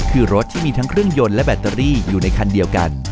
คือรถที่มีทั้งเครื่องยนต์และแบตเตอรี่อยู่ในคันเดียวกัน